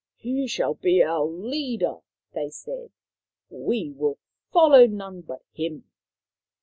" He shall be our leader," they said. " We will follow none but him."